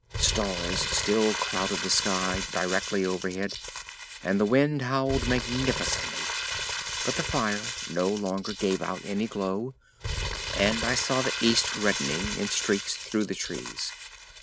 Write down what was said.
Stars still crowded the sky directly overhead, and the wind howled magnificently, but the fire no longer gave out any glow, and I saw the east reddening in streaks through the trees.